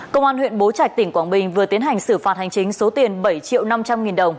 công an huyện bố trạch tỉnh quảng bình vừa tiến hành xử phạt hành chính số tiền bảy triệu năm trăm linh nghìn đồng